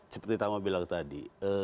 seperti tama bilang tadi